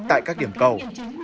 tại các điểm cầu